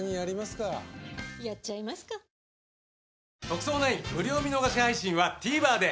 『特捜９』無料見逃し配信はＴＶｅｒで！